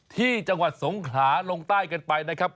ที่จังหวัดสงขลาลงใต้กันไปนะครับ